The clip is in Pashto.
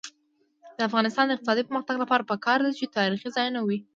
د افغانستان د اقتصادي پرمختګ لپاره پکار ده چې تاریخي ځایونه وي.